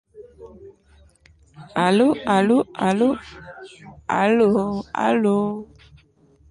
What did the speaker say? Wall plaques, signs, T-shirts, and buttons are sold with only those words.